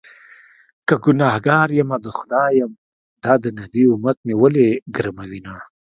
که ګنهکار يمه د خدای یم- دا د نبي امت مې ولې ګرموینه